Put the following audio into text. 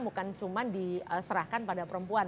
bukan cuma diserahkan pada perempuan